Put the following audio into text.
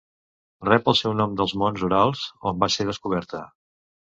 Rep el seu nom dels monts Urals, on va ser descoberta.